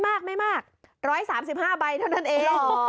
มากไม่มาก๑๓๕ใบเท่านั้นเอง